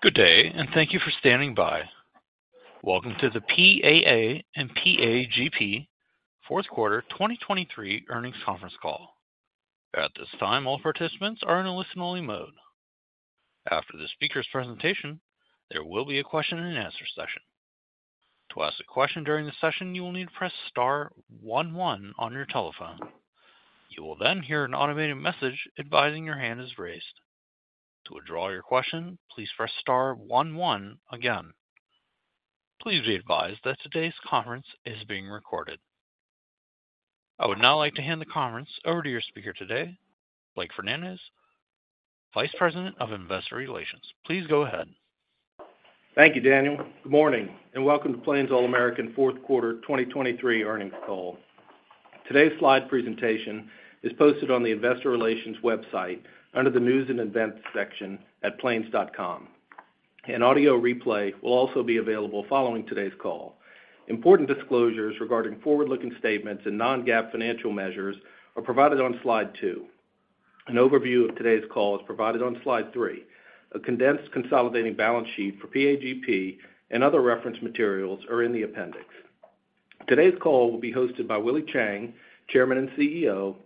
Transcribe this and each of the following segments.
Good day and thank you for standing by. Welcome to the PAA and PAGP fourth quarter 2023 earnings conference call. At this time all participants are in a listen-only mode. After the speaker's presentation there will be a question and answer session. To ask a question during the session you will need to press star one, one on your telephone. You will then hear an automated message advising your hand is raised. To withdraw your question please press star one, one again. Please be advised that today's conference is being recorded. I would now like to hand the conference over to your speaker today, Blake Fernandez, Vice President of Investor Relations. Please go ahead. Thank you, Daniel. Good morning and welcome to Plains All American Fourth Quarter 2023 Earnings Call. Today's slide presentation is posted on the Investor Relations website under the News and Events section at plains.com. An audio replay will also be available following today's call. Important disclosures regarding forward-looking statements and non-GAAP financial measures are provided on slide two. An overview of today's call is provided on slide three. A condensed consolidating balance sheet for PAGP and other reference materials are in the appendix. Today's call will be hosted by Willie Chiang, Chairman and CEO,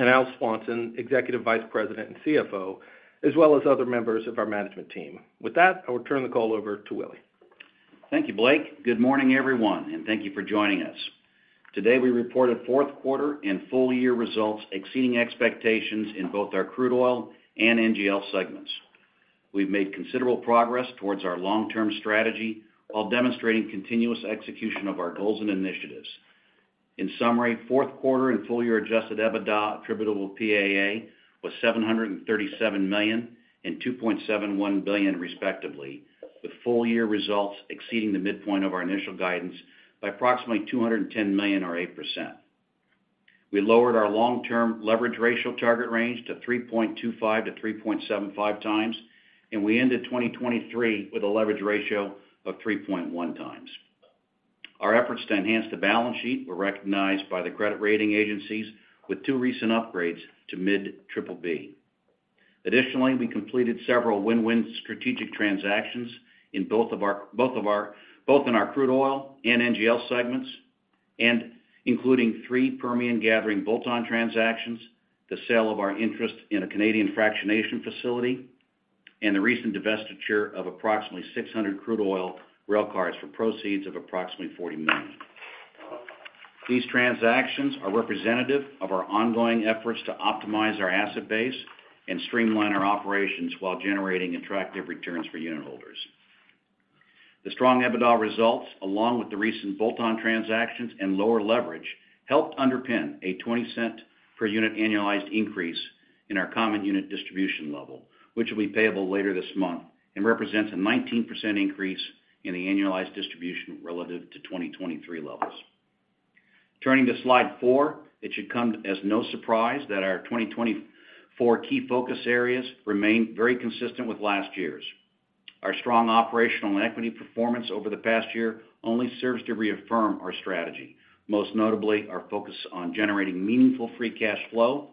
and Al Swanson, Executive Vice President and CFO, as well as other members of our management team. With that I will turn the call over to Willie. Thank you, Blake. Good morning, everyone, and thank you for joining us. Today we reported fourth quarter and full-year results exceeding expectations in both our crude oil and NGL segments. We've made considerable progress towards our long-term strategy while demonstrating continuous execution of our goals and initiatives. In summary, fourth quarter and full-year Adjusted EBITDA attributable to PAA was $737 million and $2.71 billion, respectively, with full-year results exceeding the midpoint of our initial guidance by approximately $210 million or 8%. We lowered our long-term leverage ratio target range to 3.25-3.75x and we ended 2023 with a leverage ratio of 3.1x. Our efforts to enhance the balance sheet were recognized by the credit rating agencies with two recent upgrades to mid-BBB. Additionally, we completed several win-win strategic transactions in both of our crude oil and NGL segments, including three Permian gathering bolt-on transactions, the sale of our interest in a Canadian fractionation facility, and the recent divestiture of approximately 600 crude oil railcars for proceeds of approximately $40 million. These transactions are representative of our ongoing efforts to optimize our asset base and streamline our operations while generating attractive returns for unit holders. The strong EBITDA results, along with the recent bolt-on transactions and lower leverage, helped underpin a $0.20 per unit annualized increase in our common unit distribution level, which will be payable later this month and represents a 19% increase in the annualized distribution relative to 2023 levels. Turning to slide four, it should come as no surprise that our 2024 key focus areas remain very consistent with last year's. Our strong operational and equity performance over the past year only serves to reaffirm our strategy, most notably our focus on generating meaningful free cash flow,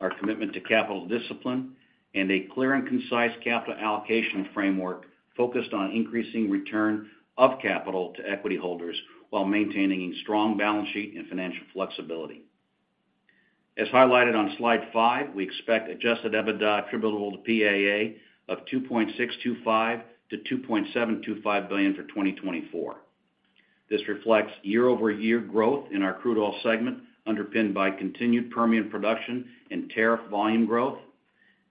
our commitment to capital discipline, and a clear and concise capital allocation framework focused on increasing return of capital to equity holders while maintaining a strong balance sheet and financial flexibility. As highlighted on slide five, we expect adjusted EBITDA attributable to PAA of $2.625 billion-$2.725 billion for 2024. This reflects year-over-year growth in our crude oil segment underpinned by continued Permian production and tariff volume growth,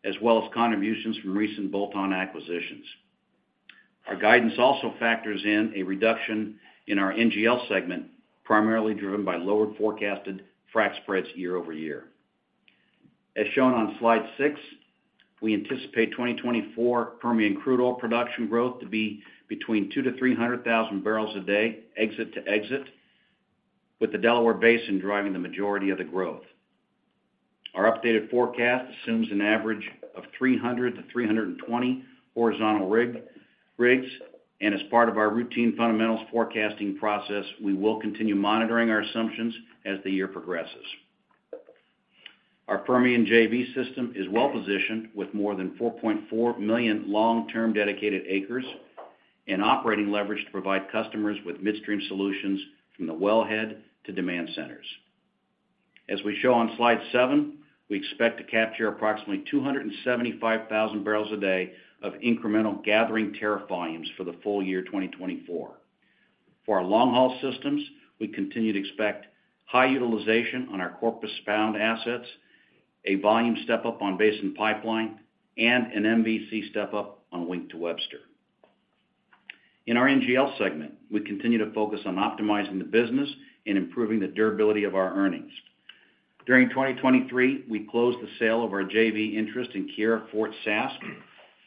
as well as contributions from recent bolt-on acquisitions. Our guidance also factors in a reduction in our NGL segment, primarily driven by lowered forecasted frac spreads year-over-year. As shown on slide six, we anticipate 2024 Permian crude oil production growth to be between 200,000-300,000 barrels a day exit to exit, with the Delaware Basin driving the majority of the growth. Our updated forecast assumes an average of 300-320 horizontal rigs, and as part of our routine fundamentals forecasting process we will continue monitoring our assumptions as the year progresses. Our Permian JV system is well positioned with more than 4.4 million long-term dedicated acres and operating leverage to provide customers with midstream solutions from the wellhead to demand centers. As we show on slide seven, we expect to capture approximately 275,000 barrels a day of incremental gathering tariff volumes for the full-year 2024. For our long-haul systems, we continue to expect high utilization on our Corpus-bound assets, a volume step-up on Basin Pipeline, and an MVC step-up on Wink to Webster. In our NGL segment, we continue to focus on optimizing the business and improving the durability of our earnings. During 2023, we closed the sale of our JV interest in Keyera Fort Saskatchewan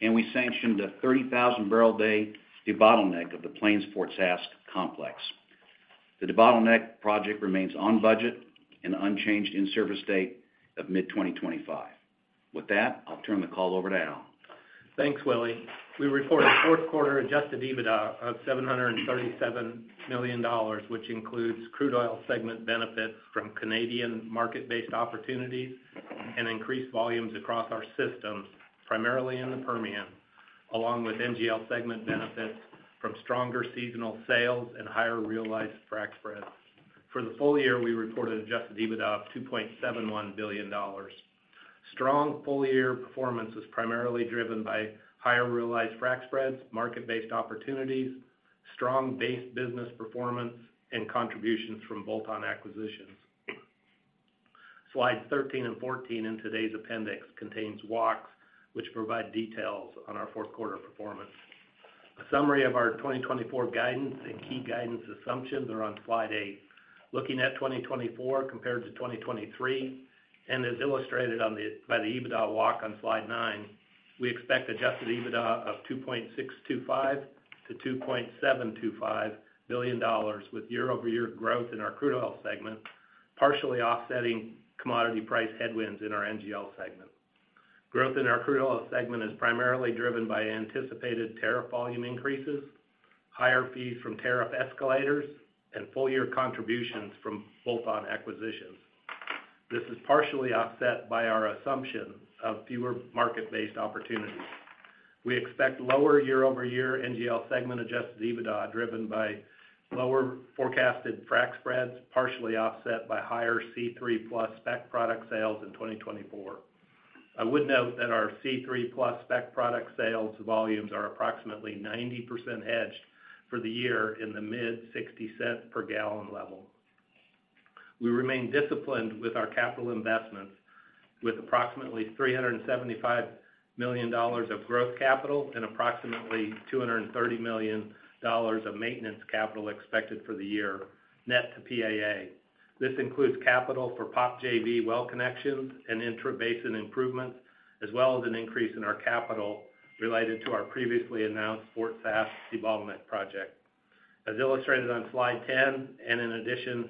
and we sanctioned a 30,000-barrel day debottleneck of the Plains Fort Saskatchewan complex. The debottleneck project remains on budget and unchanged in service date of mid-2025. With that I'll turn the call over to Al. Thanks, Willie. We reported fourth quarter Adjusted EBITDA of $737 million, which includes crude oil segment benefits from Canadian market-based opportunities and increased volumes across our systems, primarily in the Permian, along with NGL segment benefits from stronger seasonal sales and higher realized frac spreads. For the full-year we reported Adjusted EBITDA of $2.71 billion. Strong full-year performance was primarily driven by higher realized frac spreads, market-based opportunities, strong base business performance, and contributions from bolt-on acquisitions. Slides 13 and 14 in today's appendix contains walks, which provide details on our fourth quarter performance. A summary of our 2024 guidance and key guidance assumptions are on slide eight. Looking at 2024 compared to 2023, and as illustrated on the EBITDA walk on slide nine, we expect adjusted EBITDA of $2.625-$2.725 billion, with year-over-year growth in our crude oil segment partially offsetting commodity price headwinds in our NGL segment. Growth in our crude oil segment is primarily driven by anticipated tariff volume increases, higher fees from tariff escalators, and full-year contributions from bolt-on acquisitions. This is partially offset by our assumption of fewer market-based opportunities. We expect lower year-over-year NGL segment adjusted EBITDA driven by lower forecasted frac spreads, partially offset by higher C3+ spec product sales in 2024. I would note that our C3+ spec product sales volumes are approximately 90% hedged for the year in the mid $0.60 per gallon level. We remain disciplined with our capital investments, with approximately $375 million of growth capital and approximately $230 million of maintenance capital expected for the year net to PAA. This includes capital for POP JV well connections and intra-Basin improvements, as well as an increase in our capital related to our previously announced Fort Sask debottleneck project. As illustrated on slide 10, and in addition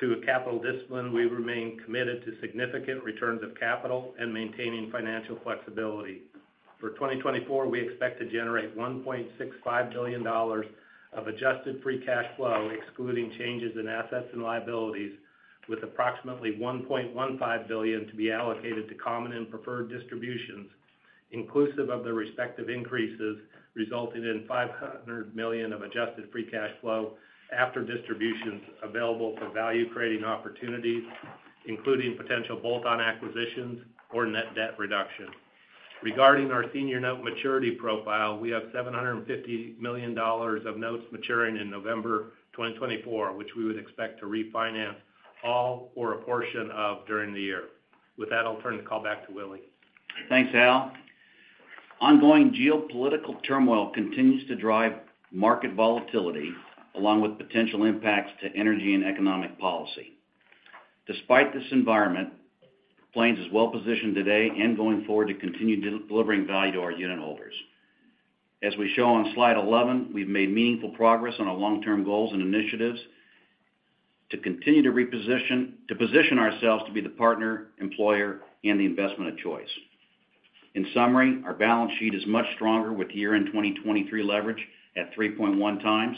to capital discipline, we remain committed to significant returns of capital and maintaining financial flexibility. For 2024 we expect to generate $1.65 billion of adjusted free cash flow, excluding changes in assets and liabilities, with approximately $1.15 billion to be allocated to common and preferred distributions, inclusive of the respective increases resulting in $500 million of adjusted free cash flow after distributions available for value creating opportunities, including potential bolt-on acquisitions or net debt reduction. Regarding our senior note maturity profile, we have $750 million of notes maturing in November 2024, which we would expect to refinance all or a portion of during the year. With that I'll turn the call back to Willie. Thanks, Al. Ongoing geopolitical turmoil continues to drive market volatility, along with potential impacts to energy and economic policy. Despite this environment, Plains is well positioned today and going forward to continue delivering value to our unit holders. As we show on slide 11, we've made meaningful progress on our long-term goals and initiatives to continue to reposition to position ourselves to be the partner, employer, and the investment of choice. In summary, our balance sheet is much stronger with year-end 2023 leverage at 3.1x.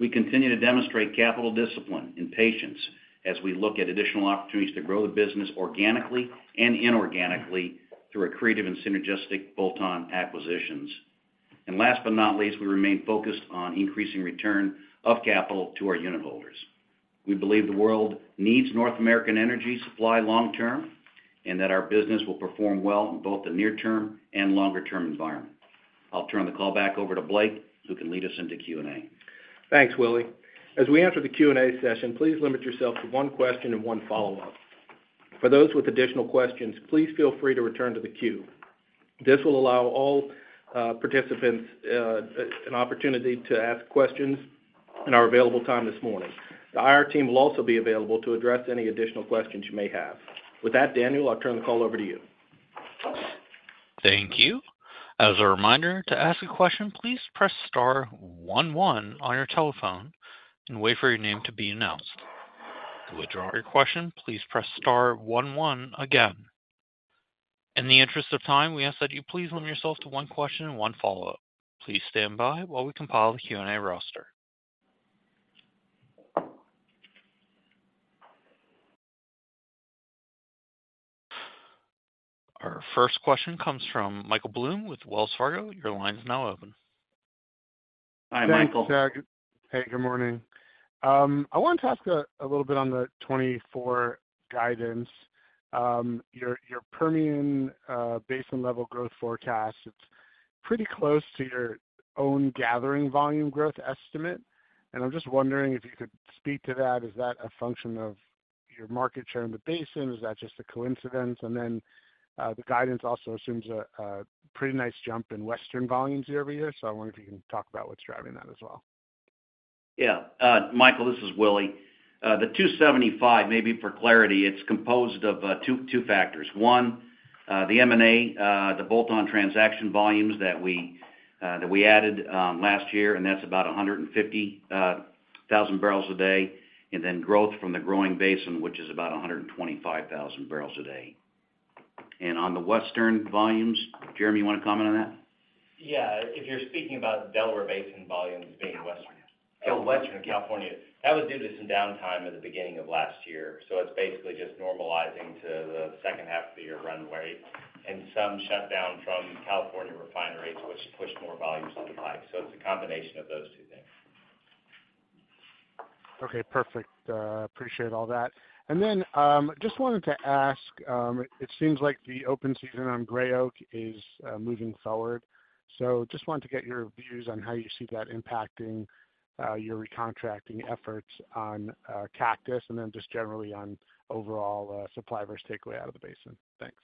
We continue to demonstrate capital discipline and patience as we look at additional opportunities to grow the business organically and inorganically through our creative and synergistic bolt-on acquisitions. Last but not least, we remain focused on increasing return of capital to our unit holders. We believe the world needs North American energy supply long-term and that our business will perform well in both the near-term and longer-term environment. I'll turn the call back over to Blake, who can lead us into Q&A. Thanks, Willie. As we enter the Q&A session, please limit yourself to one question and one follow-up. For those with additional questions, please feel free to return to the queue. This will allow all participants an opportunity to ask questions in our available time this morning. The IR team will also be available to address any additional questions you may have. With that, Daniel, I'll turn the call over to you. Thank you. As a reminder, to ask a question please press star one one on your telephone and wait for your name to be announced. To withdraw your question please press star one one again. In the interest of time, we ask that you please limit yourself to one question and one follow-up. Please stand by while we compile the Q&A roster. Our first question comes from Michael Blum with Wells Fargo. Your line is now open. Hi, Michael. Thanks, Chiang. Hey, good morning. I wanted to ask a little bit on the 2024 guidance. Your Permian Basin level growth forecast, it's pretty close to your own gathering volume growth estimate, and I'm just wondering if you could speak to that. Is that a function of your market share in the Basin? Is that just a coincidence? And then the guidance also assumes a pretty nice jump in Western volumes year-over-year, so I wonder if you can talk about what's driving that as well. Yeah. Michael, this is Willie. The 275, maybe for clarity, it's composed of two factors. One, the M&A, the bolt-on transaction volumes that we added last year, and that's about 150,000 barrels a day, and then growth from the growing Basin, which is about 125,000 barrels a day. And on the Western volumes, Jeremy, you want to comment on that? Yeah. If you're speaking about Delaware Basin volumes being western in California, that was due to some downtime at the beginning of last year, so it's basically just normalizing to the second half of the year runway and some shutdown from California refineries, which pushed more volumes to the pipe. So it's a combination of those two things. Okay. Perfect. Appreciate all that. And then just wanted to ask, it seems like the open season on Gray Oak is moving forward, so just wanted to get your views on how you see that impacting your recontracting efforts on Cactus and then just generally on overall supply versus takeaway out of the Basin. Thanks.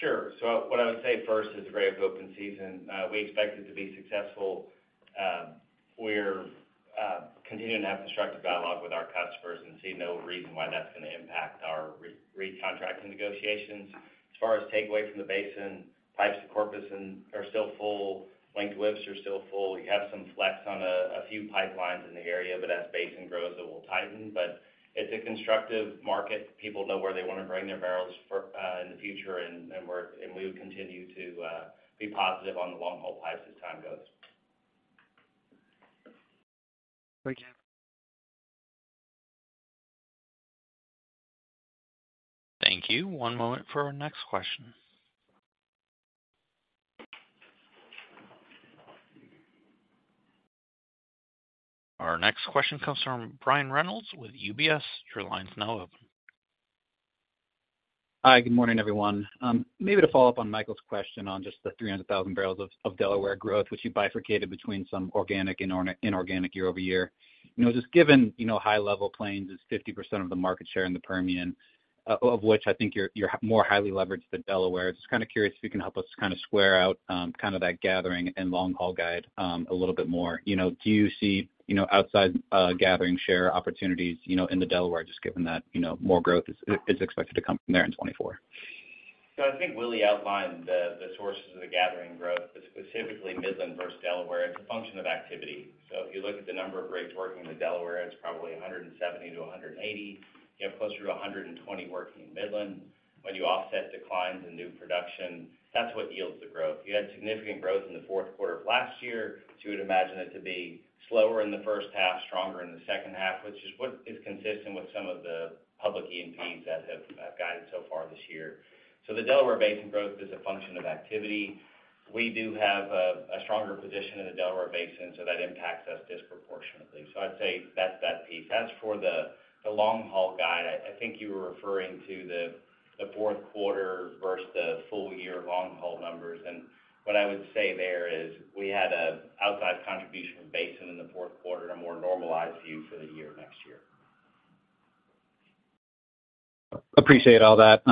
Sure. So what I would say first is the Gray Oak open season. We expect it to be successful. We're continuing to have constructive dialogue with our customers and see no reason why that's going to impact our recontracting negotiations. As far as takeaway from the Basin, pipes to Corpus are still full. Wink-to-Webster are still full. You have some flex on a few pipelines in the area, but as Basin grows it will tighten. But it's a constructive market. People know where they want to bring their barrels in the future, and we would continue to be positive on the long-haul pipes as time goes. Thank you. Thank you. One moment for our next question. Our next question comes from Brian Reynolds with UBS. Your line is now open. Hi. Good morning, everyone. Maybe to follow up on Michael's question on just the 300,000 barrels of Delaware growth, which you bifurcated between some organic and inorganic year-over-year. Just given high-level Plains is 50% of the market share in the Permian, of which I think you're more highly leveraged than Delaware, just kind of curious if you can help us kind of square out kind of that gathering and long-haul guide a little bit more. Do you see outside gathering share opportunities in the Delaware, just given that more growth is expected to come from there in 2024? So I think Willie outlined the sources of the gathering growth, but specifically Midland versus Delaware, it's a function of activity. So if you look at the number of rigs working in the Delaware, it's probably 170-180. You have closer to 120 working in Midland. When you offset declines in new production, that's what yields the growth. You had significant growth in the fourth quarter of last year, so you would imagine it to be slower in the first half, stronger in the second half, which is what is consistent with some of the public E&Ps that have guided so far this year. So the Delaware Basin growth is a function of activity. We do have a stronger position in the Delaware Basin, so that impacts us disproportionately. So I'd say that's that piece. As for the long-haul guide, I think you were referring to the fourth quarter versus the full-year long-haul numbers, and what I would say there is we had an outsize contribution from Basin in the fourth quarter in a more normalized view for the year next year. Appreciate all that.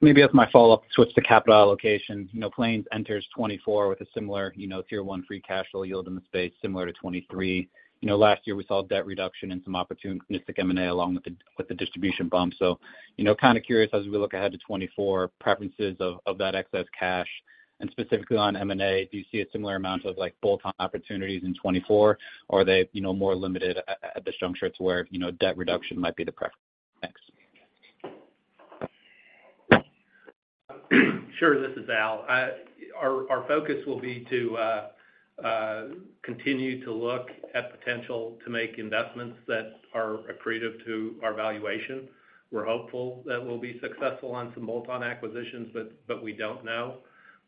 Maybe as my follow-up, switch to capital allocation. Plains enters 2024 with a similar tier one Free Cash Flow yield in the space, similar to 2023. Last year we saw debt reduction and some opportunistic M&A along with the distribution bump, so kind of curious as we look ahead to 2024, preferences of that excess cash, and specifically on M&A, do you see a similar amount of bolt-on opportunities in 2024, or are they more limited at this juncture to where debt reduction might be the preference? Thanks. Sure. This is Al. Our focus will be to continue to look at potential to make investments that are accretive to our valuation. We're hopeful that we'll be successful on some bolt-on acquisitions, but we don't know.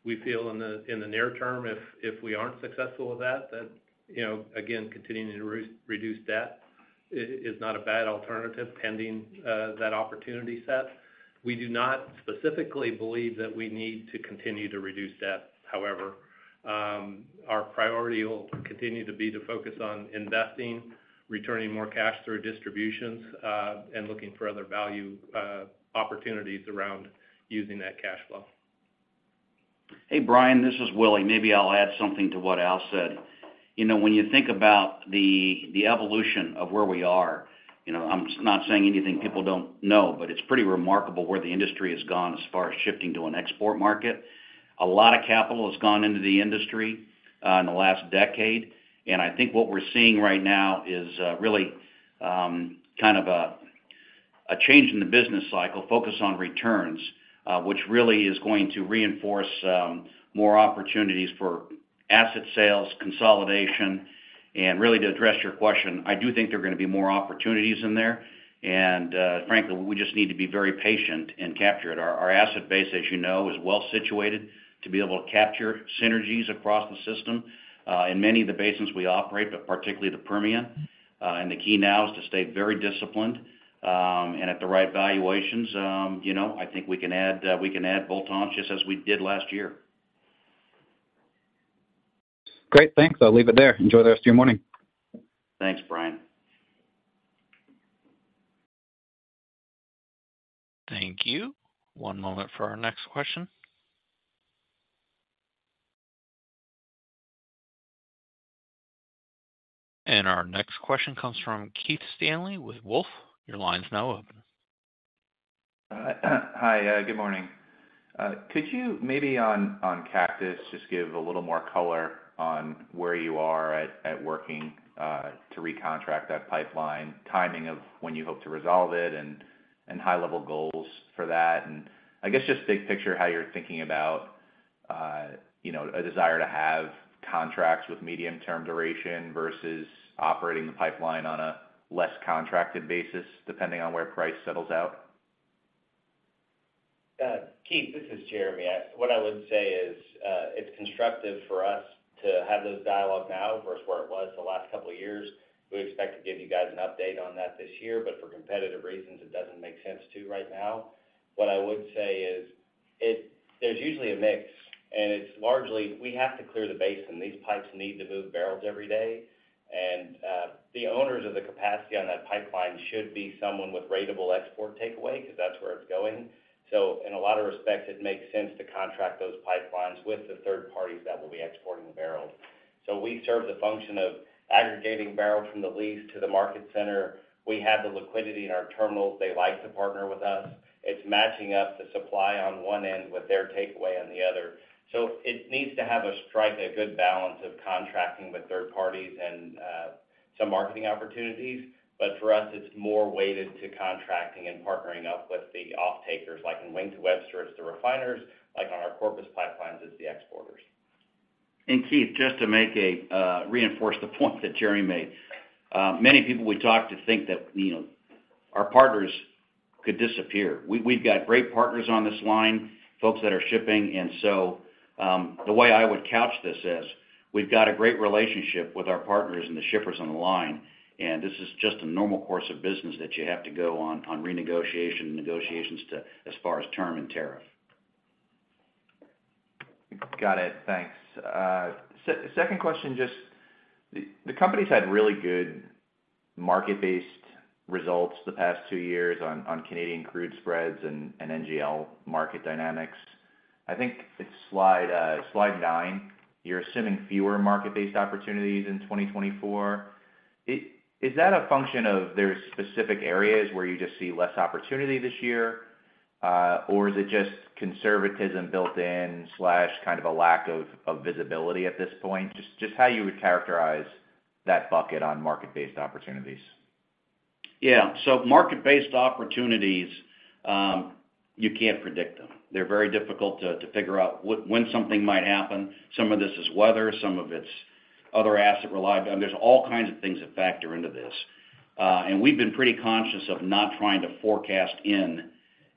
We feel in the near term, if we aren't successful with that, that, again, continuing to reduce debt is not a bad alternative pending that opportunity set. We do not specifically believe that we need to continue to reduce debt. However, our priority will continue to be to focus on investing, returning more cash through distributions, and looking for other value opportunities around using that cash flow. Hey, Brian, this is Willie. Maybe I'll add something to what Al said. When you think about the evolution of where we are, I'm not saying anything people don't know, but it's pretty remarkable where the industry has gone as far as shifting to an export market. A lot of capital has gone into the industry in the last decade, and I think what we're seeing right now is really kind of a change in the business cycle, focus on returns, which really is going to reinforce more opportunities for asset sales, consolidation, and really to address your question, I do think there are going to be more opportunities in there, and frankly, we just need to be very patient and capture it. Our asset base, as you know, is well situated to be able to capture synergies across the system in many of the basins we operate, but particularly the Permian. The key now is to stay very disciplined and at the right valuations. I think we can add bolt-ons just as we did last year. Great. Thanks. I'll leave it there. Enjoy the rest of your morning. Thanks, Brian. Thank you. One moment for our next question. And our next question comes from Keith Stanley with Wolfe. Your line is now open. Hi. Good morning. Could you maybe on Cactus just give a little more color on where you are at working to recontract that pipeline, timing of when you hope to resolve it, and high-level goals for that? And I guess just big picture how you're thinking about a desire to have contracts with medium-term duration versus operating the pipeline on a less contracted basis depending on where price settles out. Keith, this is Jeremy. What I would say is it's constructive for us to have those dialogues now versus where it was the last couple of years. We expect to give you guys an update on that this year, but for competitive reasons, it doesn't make sense to right now. What I would say is there's usually a mix, and it's largely we have to clear the Basin. These pipes need to move barrels every day, and the owners of the capacity on that pipeline should be someone with ratable export takeaway because that's where it's going. So in a lot of respects, it makes sense to contract those pipelines with the third parties that will be exporting the barrels. So we serve the function of aggregating barrels from the lease to the market center. We have the liquidity in our terminals. They like to partner with us. It's matching up the supply on one end with their takeaway on the other. So it needs to have a strike, a good balance of contracting with third parties and some marketing opportunities, but for us, it's more weighted to contracting and partnering up with the off-takers like in Wink to Webster. It's the refiners. On our Corpus pipelines, it's the exporters. Keith, just to reinforce the point that Jeremy made, many people we talk to think that our partners could disappear. We've got great partners on this line, folks that are shipping, and so the way I would couch this is we've got a great relationship with our partners and the shippers on the line, and this is just a normal course of business that you have to go on renegotiation and negotiations as far as term and tariff. Got it. Thanks. Second question, just the company's had really good market-based results the past two years on Canadian crude spreads and NGL market dynamics. I think it's slide 9. You're assuming fewer market-based opportunities in 2024. Is that a function of there's specific areas where you just see less opportunity this year, or is it just conservatism built-in, kind of a lack of visibility at this point? Just how you would characterize that bucket on market-based opportunities. Yeah. So market-based opportunities, you can't predict them. They're very difficult to figure out when something might happen. Some of this is weather. Some of it's other asset reliability. There's all kinds of things that factor into this, and we've been pretty conscious of not trying to forecast in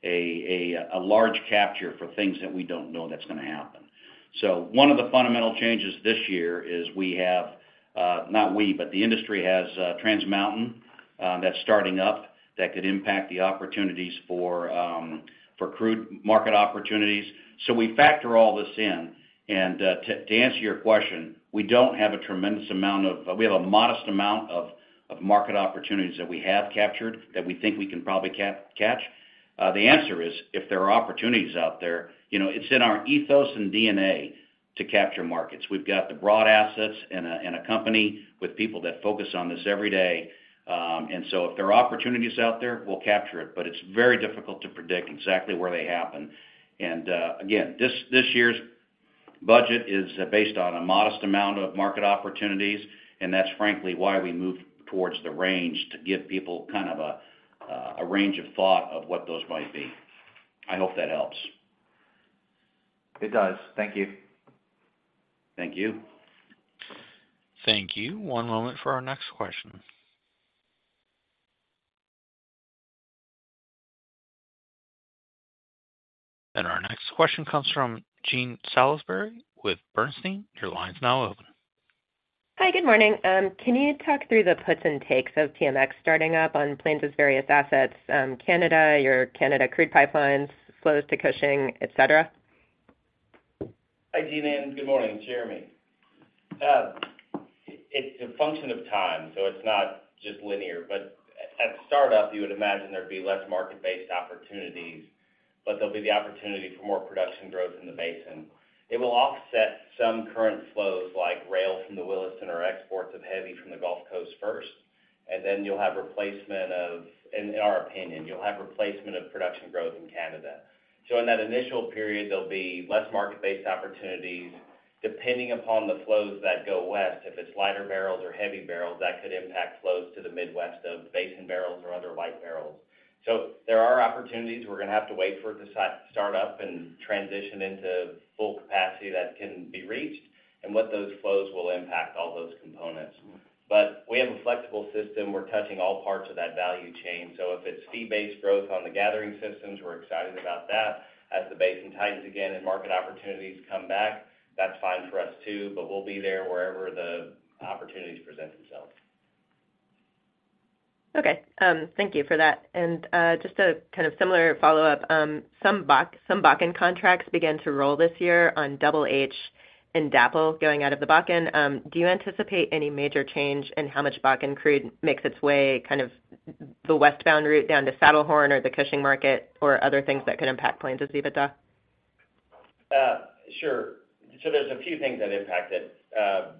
a large capture for things that we don't know that's going to happen. So one of the fundamental changes this year is we have not we, but the industry has Trans Mountain that's starting up that could impact the opportunities for crude market opportunities. So we factor all this in, and to answer your question, we don't have a tremendous amount of we have a modest amount of market opportunities that we have captured that we think we can probably catch. The answer is if there are opportunities out there, it's in our ethos and DNA to capture markets. We've got the broad assets and a company with people that focus on this every day, and so if there are opportunities out there, we'll capture it, but it's very difficult to predict exactly where they happen. And again, this year's budget is based on a modest amount of market opportunities, and that's, frankly, why we moved towards the range to give people kind of a range of thought of what those might be. I hope that helps. It does. Thank you. Thank you. Thank you. One moment for our next question. Our next question comes from Jean Ann Salisbury with Bernstein. Your line is now open. Hi. Good morning. Can you talk through the puts and takes of TMX starting up on Plains's various assets, Canada, your Canada crude pipelines, flows to Cushing, etc.? Hi, Jean, and good morning. It's Jeremy. It's a function of time, so it's not just linear, but at startup, you would imagine there'd be less market-based opportunities, but there'll be the opportunity for more production growth in the Basin. It will offset some current flows like rail from the Williston or exports of heavy from the Gulf Coast first, and then you'll have replacement of in our opinion, you'll have replacement of production growth in Canada. So in that initial period, there'll be less market-based opportunities. Depending upon the flows that go west, if it's lighter barrels or heavy barrels, that could impact flows to the Midwest of Basin barrels or other light barrels. So there are opportunities. We're going to have to wait for it to start up and transition into full capacity that can be reached and what those flows will impact all those components. But we have a flexible system. We're touching all parts of that value chain, so if it's fee-based growth on the gathering systems, we're excited about that. As the Basin tightens again and market opportunities come back, that's fine for us too, but we'll be there wherever the opportunities present themselves. Okay. Thank you for that. And just a kind of similar follow-up, some Bakken contracts began to roll this year on Double H and DAPL going out of the Bakken. Do you anticipate any major change in how much Bakken crude makes its way kind of the westbound route down to Saddlehorn or the Cushing market or other things that could impact Plains' EBITDA? Sure. So there's a few things that impact it.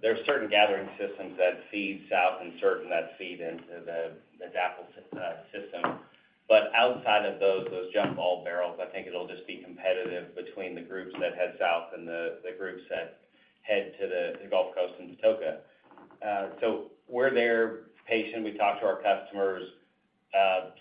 There's certain gathering systems that feed south and certain that feed into the DAPL system, but outside of those, those jump-ball barrels, I think it'll just be competitive between the groups that head south and the groups that head to the Gulf Coast and Patoka. So we're patient. We talk to our customers.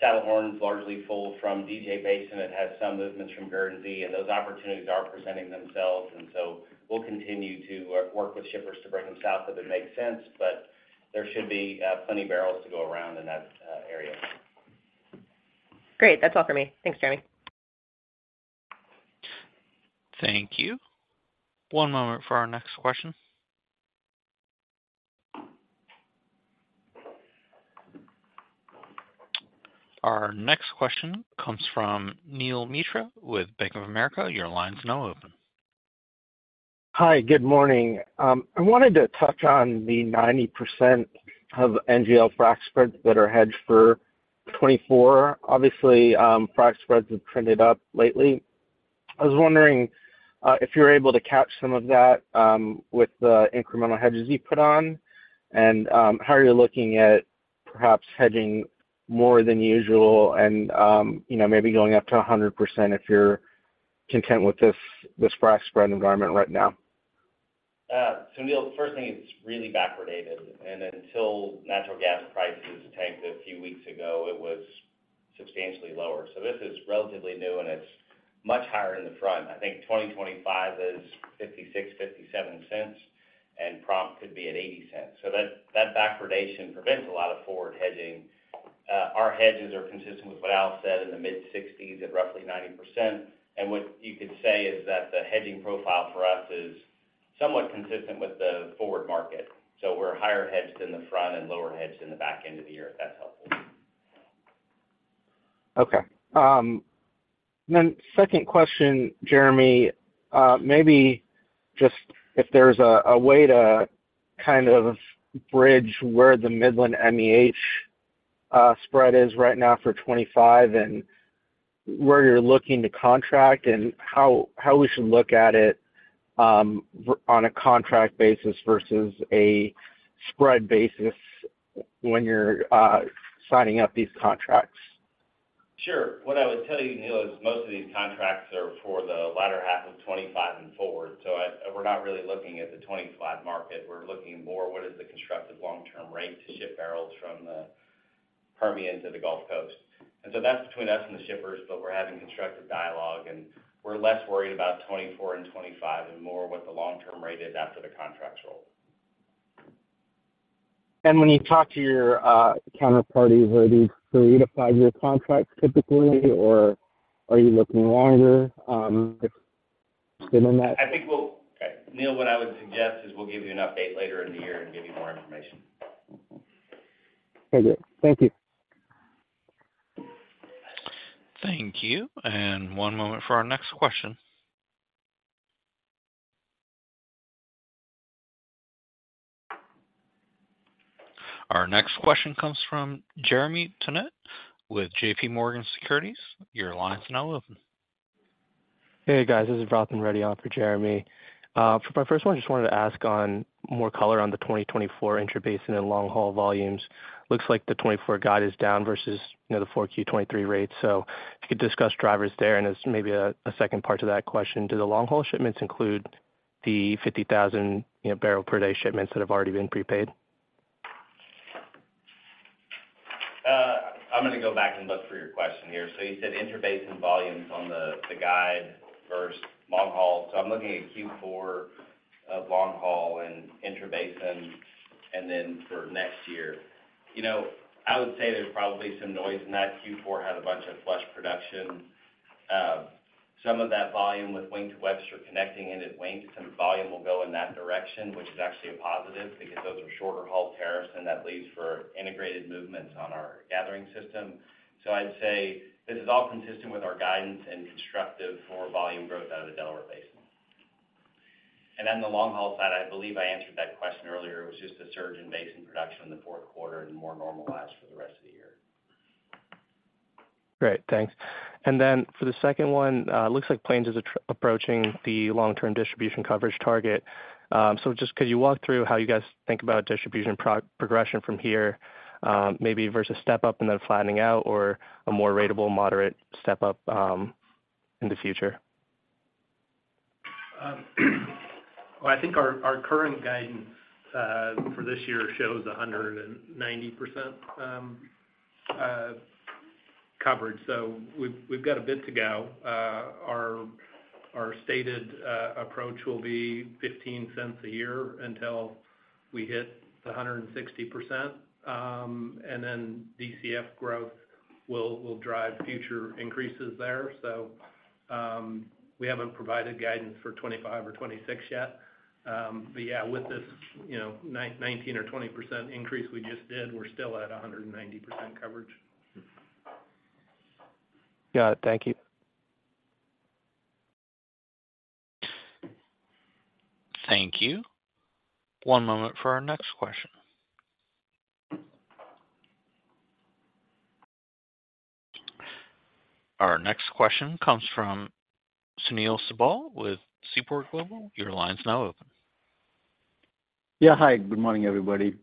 Saddlehorn's largely full from DJ Basin. It has some movements from Guernsey, and those opportunities are presenting themselves, and so we'll continue to work with shippers to bring them south if it makes sense, but there should be plenty of barrels to go around in that area. Great. That's all for me. Thanks, Jeremy. Thank you. One moment for our next question. Our next question comes from Neel Mitra with Bank of America. Your line is now open. Hi. Good morning. I wanted to touch on the 90% of NGL frac spreads that are hedged for 2024. Obviously, frac spreads have trended up lately. I was wondering if you're able to catch some of that with the incremental hedges you put on and how you're looking at perhaps hedging more than usual and maybe going up to 100% if you're content with this frac spread environment right now. So Neel, first thing, it's really backwardation, and until natural gas prices tanked a few weeks ago, it was substantially lower. So this is relatively new, and it's much higher in the front. I think 2025 is $0.56-$0.57, and prompt could be at $0.80. So that backwardation prevents a lot of forward hedging. Our hedges are consistent with what Al said in the mid-60s at roughly 90%, and what you could say is that the hedging profile for us is somewhat consistent with the forward market. So we're higher hedged in the front and lower hedged in the back end of the year if that's helpful. Okay. Then second question, Jeremy, maybe just if there's a way to kind of bridge where the Midland MEH spread is right now for 2025 and where you're looking to contract and how we should look at it on a contract basis versus a spread basis when you're signing up these contracts? Sure. What I would tell you, Neel, is most of these contracts are for the latter half of 2025 and forward, so we're not really looking at the 2025 market. We're looking more at what is the constructive long-term rate to ship barrels from the Permian to the Gulf Coast. And so that's between us and the shippers, but we're having constructive dialogue, and we're less worried about 2024 and 2025 and more what the long-term rate is after the contracts roll. When you talk to your counterparty, are these three to five-year contracts typically, or are you looking longer? It's been in that. I think we'll, Neel, what I would suggest is we'll give you an update later in the year and give you more information. Okay. Great. Thank you. Thank you. One moment for our next question. Our next question comes from Jeremy Tonet with J.P. Morgan Securities. Your line is now open. Hey, guys. This is Vrathan Reddy on for Jeremy. For my first one, I just wanted to ask more color on the 2024 intra-Basin and long-haul volumes. Looks like the 2024 guide is down versus the 4Q 2023 rate, so if you could discuss drivers there. And as maybe a second part to that question, do the long-haul shipments include the 50,000 barrel per day shipments that have already been prepaid? I'm going to go back and look for your question here. So you said intra-Basin volumes on the guide versus long-haul. So I'm looking at Q4 of long-haul and intra-Basin and then for next year. I would say there's probably some noise in that. Q4 had a bunch of flush production. Some of that volume with Wink to Webster connecting in at Wink, some volume will go in that direction, which is actually a positive because those are shorter-haul tariffs, and that leads for integrated movements on our gathering system. So I'd say this is all consistent with our guidance and constructive for volume growth out of the Delaware Basin. And on the long-haul side, I believe I answered that question earlier. It was just a surge in Basin production in the fourth quarter and more normalized for the rest of the year. Great. Thanks. And then for the second one, it looks like Plains is approaching the long-term distribution coverage target. So just could you walk through how you guys think about distribution progression from here, maybe versus step up and then flattening out or a more ratable, moderate step up in the future? Well, I think our current guidance for this year shows 190% coverage, so we've got a bit to go. Our stated approach will be $0.15 a year until we hit the 160%, and then DCF growth will drive future increases there. So we haven't provided guidance for 2025 or 2026 yet. But yeah, with this 19%-20% increase we just did, we're still at 190% coverage. Got it. Thank you. Thank you. One moment for our next question. Our next question comes from Sunil Sibal with Seaport Global. Your line is now open. Yeah. Hi. Good morning, everybody.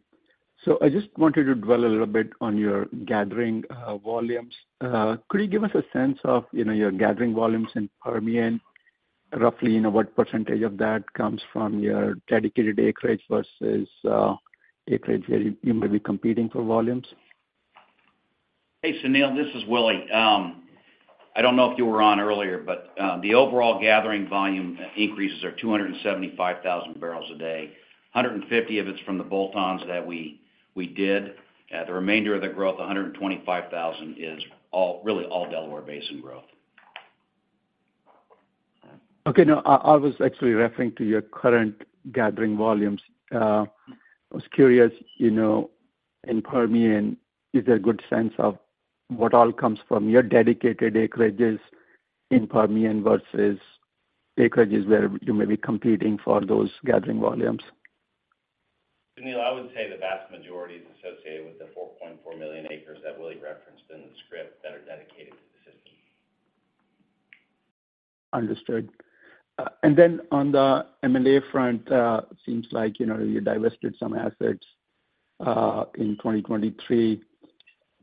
So I just wanted to dwell a little bit on your gathering volumes. Could you give us a sense of your gathering volumes in Permian, roughly what percentage of that comes from your dedicated acreage versus acreage where you may be competing for volumes? Hey, Sunil. This is Willie. I don't know if you were on earlier, but the overall gathering volume increases are 275,000 barrels a day. 150 of it's from the bolt-ons that we did. The remainder of the growth, 125,000, is really all Delaware Basin growth. Okay. No, I was actually referring to your current gathering volumes. I was curious, in Permian, is there a good sense of what all comes from your dedicated acreages in Permian versus acreages where you may be competing for those gathering volumes? Sunil, I would say the vast majority is associated with the 4.4 million acres that Willie referenced in the script that are dedicated to the system. Understood. And then on the M&A front, it seems like you divested some assets in 2023.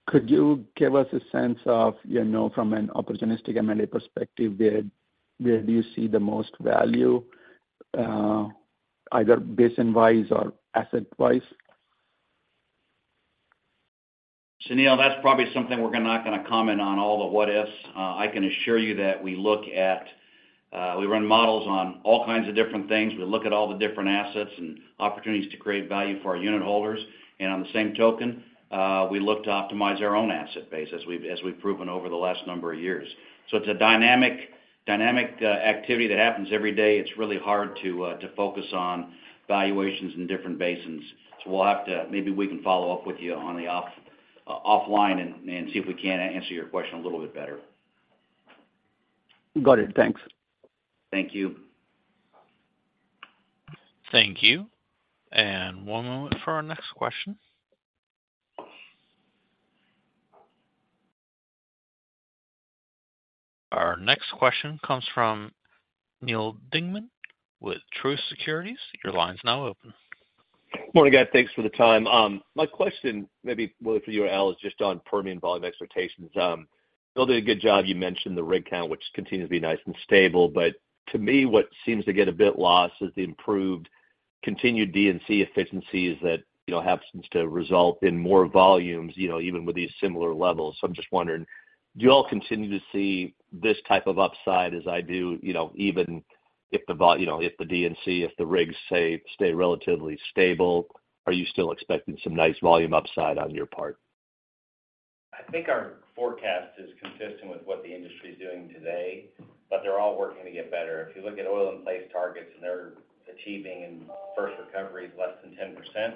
Could you give us a sense of from an opportunistic M&A perspective, where do you see the most value, either basin-wise or asset-wise? Sunil, that's probably something we're not going to comment on, all the what-ifs. I can assure you that we look at, we run models on all kinds of different things. We look at all the different assets and opportunities to create value for our unit holders. And on the same token, we look to optimize our own asset base as we've proven over the last number of years. So it's a dynamic activity that happens every day. It's really hard to focus on valuations in different basins. So we'll have to maybe we can follow up with you offline and see if we can answer your question a little bit better. Got it. Thanks. Thank you. Thank you. One moment for our next question. Our next question comes from Neal Dingmann with Truist Securities. Your line is now open. Morning, guys. Thanks for the time. My question, maybe Willie for you or Al, is just on Permian volume expectations. Willie did a good job. You mentioned the rig count, which continues to be nice and stable. But to me, what seems to get a bit lost is the improved continued D&C efficiencies that happen to result in more volumes even with these similar levels. So I'm just wondering, do you all continue to see this type of upside as I do, even if the D&C, if the rigs, say, stay relatively stable? Are you still expecting some nice volume upside on your part? I think our forecast is consistent with what the industry is doing today, but they're all working to get better. If you look at oil-in-place targets and they're achieving in first recoveries less than 10%,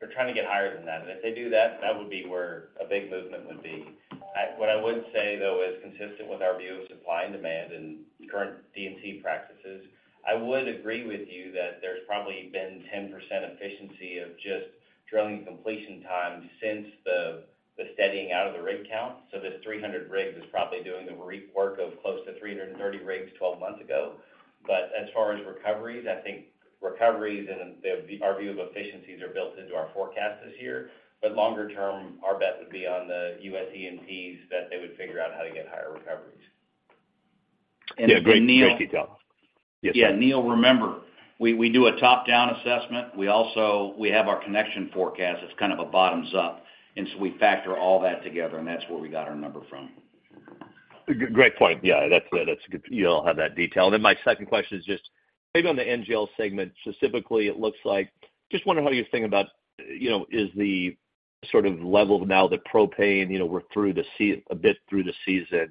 they're trying to get higher than that. If they do that, that would be where a big movement would be. What I would say, though, is consistent with our view of supply and demand and current D&C practices. I would agree with you that there's probably been 10% efficiency of just drilling completion time since the steadying out of the rig count. So this 300 rigs is probably doing the work of close to 330 rigs 12 months ago. But as far as recoveries, I think recoveries and our view of efficiencies are built into our forecast this year. Longer term, our bet would be on the U.S. E&Ps that they would figure out how to get higher recoveries. Yeah. Great. Great detail. Yes, sir. Yeah. Neil, remember, we do a top-down assessment. We have our connection forecast. It's kind of a bottoms-up. And so we factor all that together, and that's where we got our number from. Great point. Yeah. That's good. You all have that detail. And then my second question is just maybe on the NGL segment specifically, it looks like just wondering how you think about is the sort of level now that propane we're through the a bit through the season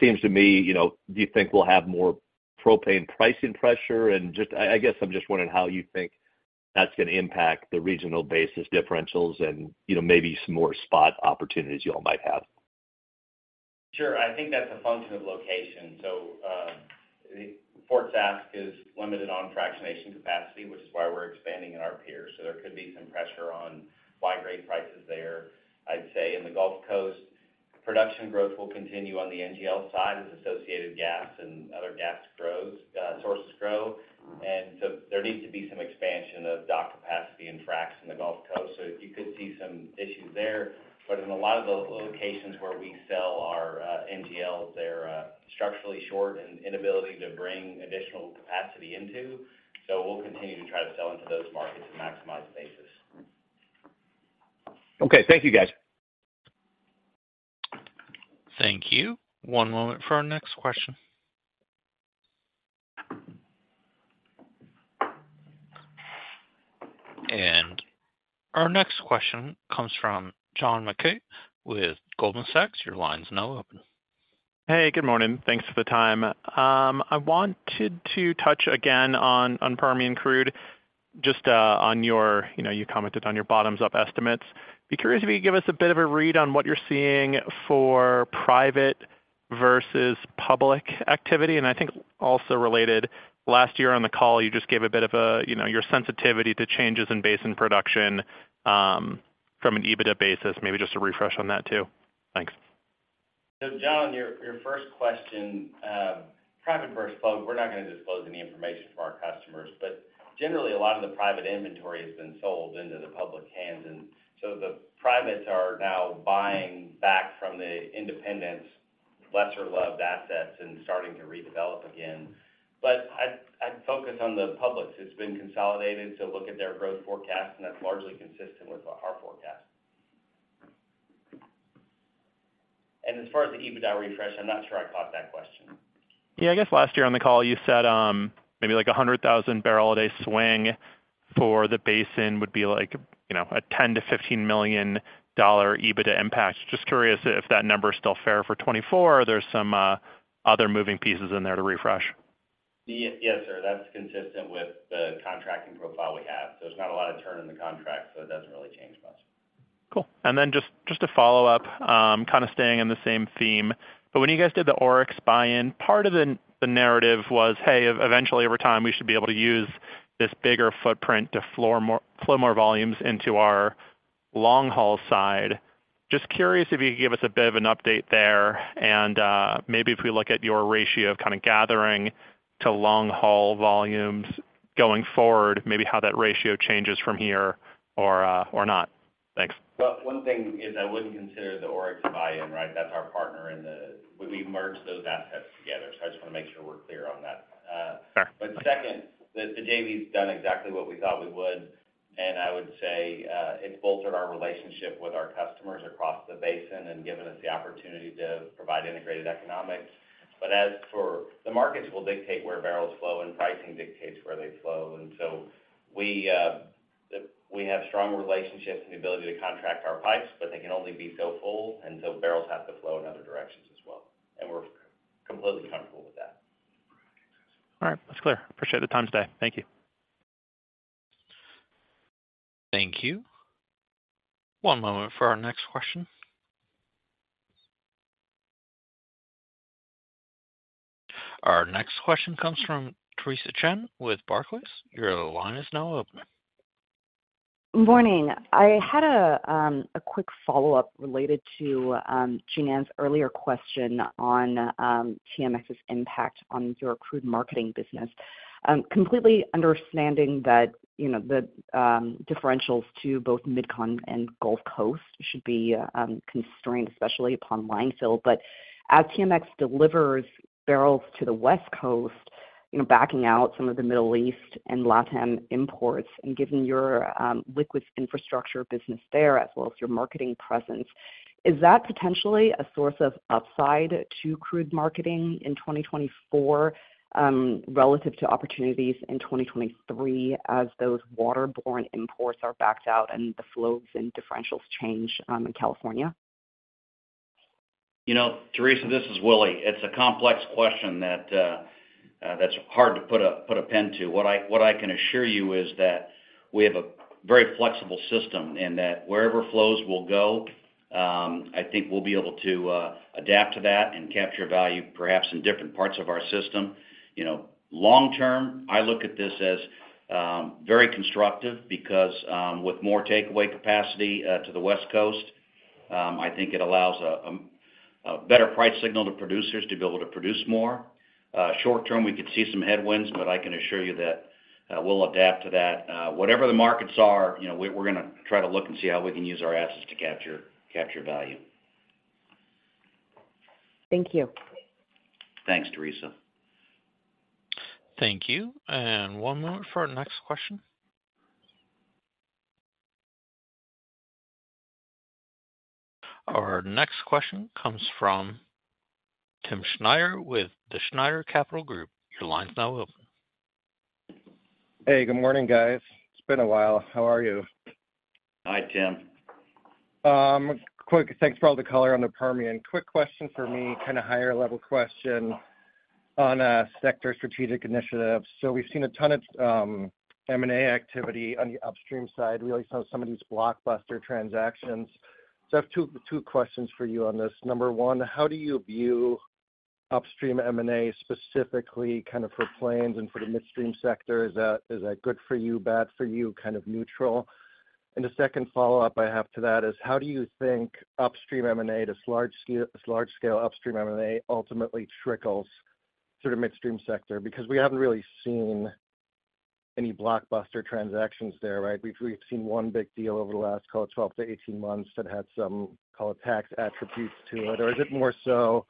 seems to me do you think we'll have more propane pricing pressure? And I guess I'm just wondering how you think that's going to impact the regional basis differentials and maybe some more spot opportunities you all might have. Sure. I think that's a function of location. So Fort Sask is limited on fractionation capacity, which is why we're expanding in Alberta. So there could be some pressure on Y-grade price there, I'd say. In the Gulf Coast, production growth will continue on the NGL side as associated gas and other gas sources grow. And so there needs to be some expansion of NGL capacity and frac in the Gulf Coast. So you could see some issues there. But in a lot of the locations where we sell our NGLs, they're structurally short and inability to bring additional capacity into. So we'll continue to try to sell into those markets and maximize basis. Okay. Thank you, guys. Thank you. One moment for our next question. And our next question comes from John Mackay with Goldman Sachs. Your line is now open. Hey. Good morning. Thanks for the time. I wanted to touch again on Permian crude, just on your, you commented on your bottoms-up estimates. Be curious if you could give us a bit of a read on what you're seeing for private versus public activity. I think also related, last year on the call, you just gave a bit of your sensitivity to changes in Basin production from an EBITDA basis. Maybe just a refresh on that too. Thanks. So, John, your first question, private versus public, we're not going to disclose any information from our customers. But generally, a lot of the private inventory has been sold into the public hands. And so the privates are now buying back from the independents, lesser-loved assets, and starting to redevelop again. But I'd focus on the public's. It's been consolidated. So look at their growth forecast, and that's largely consistent with our forecast. And as far as the EBITDA refresh, I'm not sure I caught that question. Yeah. I guess last year on the call, you said maybe like 100,000 barrel a day swing for the Basin would be like a $10 million-$15 million EBITDA impact. Just curious if that number is still fair for 2024 or there's some other moving pieces in there to refresh. Yes, sir. That's consistent with the contracting profile we have. So there's not a lot of turn in the contract, so it doesn't really change much. Cool. And then just to follow up, kind of staying in the same theme, but when you guys did the Oryx buy-in, part of the narrative was, "Hey, eventually, over time, we should be able to use this bigger footprint to flow more volumes into our long-haul side." Just curious if you could give us a bit of an update there. And maybe if we look at your ratio of kind of gathering to long-haul volumes going forward, maybe how that ratio changes from here or not. Thanks. Well, one thing is I wouldn't consider the Oryx buy-in, right? That's our partner in the JV we merged those assets together. So I just want to make sure we're clear on that. But second, the JV's done exactly what we thought we would. And I would say it's bolstered our relationship with our customers across the Basin and given us the opportunity to provide integrated economics. But as for the markets will dictate where barrels flow, and pricing dictates where they flow. And so we have strong relationships and the ability to contract our pipes, but they can only be so full. And so barrels have to flow in other directions as well. And we're completely comfortable with that. All right. That's clear. Appreciate the time today. Thank you. Thank you. One moment for our next question. Our next question comes from Theresa Chen with Barclays. Your line is now open. Morning. I had a quick follow-up related to Jean Ann's earlier question on TMX's impact on your crude marketing business, completely understanding that the differentials to both MidCon and Gulf Coast should be constrained, especially upon line fill. But as TMX delivers barrels to the West Coast, backing out some of the Middle East and Latin imports and given your liquids infrastructure business there as well as your marketing presence, is that potentially a source of upside to crude marketing in 2024 relative to opportunities in 2023 as those waterborne imports are backed out and the flows and differentials change in California? Theresa, this is Willie. It's a complex question that's hard to put a pin to. What I can assure you is that we have a very flexible system in that wherever flows will go, I think we'll be able to adapt to that and capture value, perhaps in different parts of our system. Long term, I look at this as very constructive because with more takeaway capacity to the West Coast, I think it allows a better price signal to producers to be able to produce more. Short term, we could see some headwinds, but I can assure you that we'll adapt to that. Whatever the markets are, we're going to try to look and see how we can use our assets to capture value. Thank you. Thanks, Teresa. Thank you. One moment for our next question. Our next question comes from Timm Schneider with the Schneider Capital Group. Your line is now open. Hey. Good morning, guys. It's been a while. How are you? Hi, Tim. Quick. Thanks for all the color on the Permian. Quick question for me, kind of higher-level question on sector strategic initiatives. So we've seen a ton of M&A activity on the upstream side, really some of these blockbuster transactions. So I have two questions for you on this. Number one, how do you view upstream M&A specifically kind of for Plains and for the midstream sector? Is that good for you, bad for you, kind of neutral? And the second follow-up I have to that is, how do you think upstream M&A, this large-scale upstream M&A, ultimately trickles through the midstream sector? Because we haven't really seen any blockbuster transactions there, right? We've seen one big deal over the last, call it, 12 months-18 months that had some, call it, tax attributes to it. Or is it more so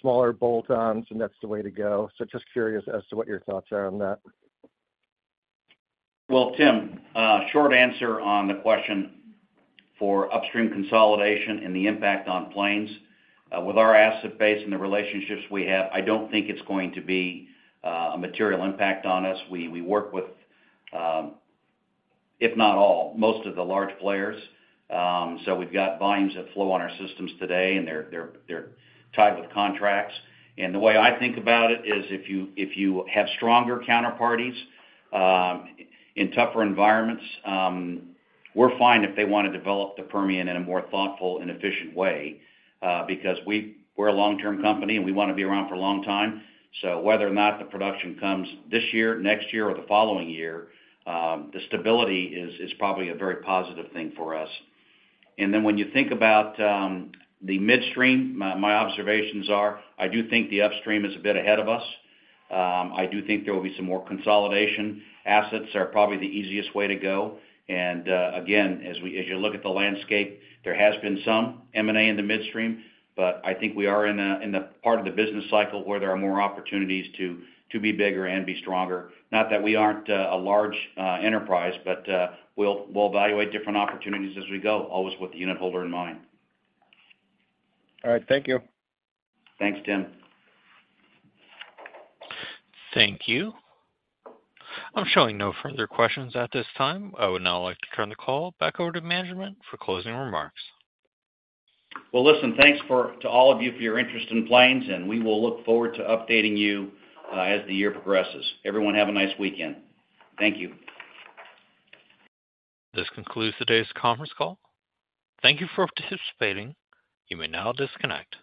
smaller bolt-ons, and that's the way to go? Just curious as to what your thoughts are on that. Well, Tim, short answer on the question for upstream consolidation and the impact on Plains, with our asset base and the relationships we have, I don't think it's going to be a material impact on us. We work with, if not all, most of the large players. We've got volumes that flow on our systems today, and they're tied with contracts. The way I think about it is if you have stronger counterparties in tougher environments, we're fine if they want to develop the Permian in a more thoughtful and efficient way because we're a long-term company, and we want to be around for a long time. Whether or not the production comes this year, next year, or the following year, the stability is probably a very positive thing for us. And then when you think about the midstream, my observations are, I do think the upstream is a bit ahead of us. I do think there will be some more consolidation. Assets are probably the easiest way to go. And again, as you look at the landscape, there has been some M&A in the midstream. But I think we are in the part of the business cycle where there are more opportunities to be bigger and be stronger. Not that we aren't a large enterprise, but we'll evaluate different opportunities as we go, always with the unit holder in mind. All right. Thank you. Thanks, Timm. Thank you. I'm showing no further questions at this time. I would now like to turn the call back over to management for closing remarks. Well, listen, thanks to all of you for your interest in Plains, and we will look forward to updating you as the year progresses. Everyone, have a nice weekend. Thank you. This concludes today's conference call. Thank you for participating. You may now disconnect.